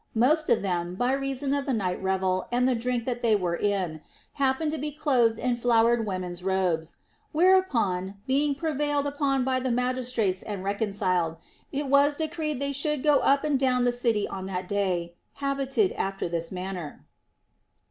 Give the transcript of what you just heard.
Most of them, by reason of the night revel and the drink that they were in, happened to be clothed in flowered women's robes ; where upon, being prevailed upon by the magistrates and recon ciled, it was decreed that they should go up and down the city on that day, habited after this manner.